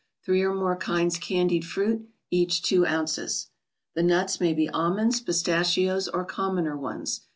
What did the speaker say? Three or more kinds candied fruit, each 2 oz. The nuts may be almonds, pistachios, or commoner ones.